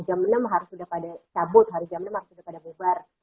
jam enam harus udah pada cabut hari enam harus udah pada bebar